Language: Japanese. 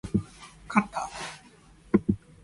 かた